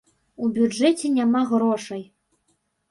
У бюджэце няма грошай.